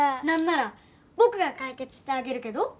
なんなら僕が解決してあげるけど。